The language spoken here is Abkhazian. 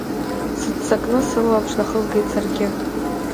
Сыццакны сылаԥш нахызгеит саргьы.